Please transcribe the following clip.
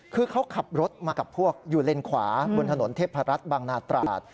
คือเขาขับรถมากับพวกอยู่เลนขวาบนถนนเทพรัฐบางนาตราด